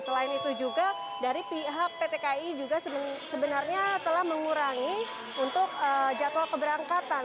selain itu juga dari pihak pt ki juga sebenarnya telah mengurangi untuk jadwal keberangkatan